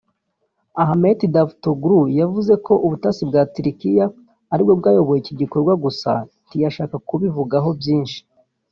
Ahmet Davutoglu yavuze ko ubutasi bwa Turikiya ari bwo bwayoboye iki gikorwa gusa ntiyashaka kubivugaho byinshi